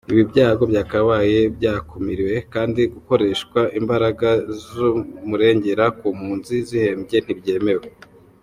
Ibi byago byakabaye byakumiriwe kandi gukoreshwa imbaraga z’ umurengera ku mpunzi zihembye ntibyemewe.